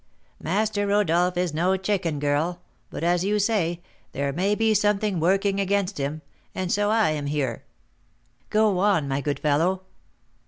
"Master Rodolph is no chicken, girl; but as you say, there may be something working against him, and so I am here." "Go on, my good fellow."